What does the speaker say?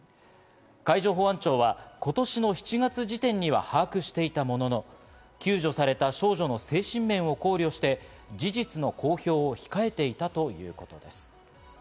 海上保安庁は今年７月時点には把握していたものの、救助された少女の精神面を考慮し、事実の公表を控えていたということです。